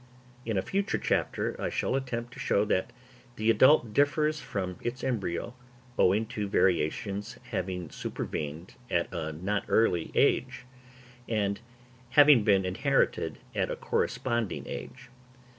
In a future chapter I shall attempt to show that the adult differs from its embryo, owing to variations having supervened at a not early age, and having been inherited at a corresponding age.